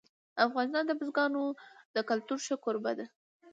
افغانستان د بزګانو د کلتور ښه کوربه دی.